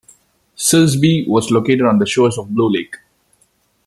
Silsbee was located on the shores of Blue Lake.